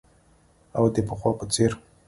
او د پخوا په څیر